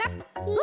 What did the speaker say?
お！